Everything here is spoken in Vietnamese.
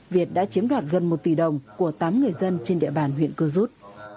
việt đã chiếm đoạt gần một tỷ đồng của tám người dân trên địa bàn huyện cơ rút